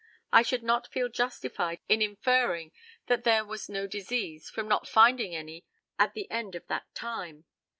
I should not feel justified in inferring that there was no disease from not finding any at the end of that time.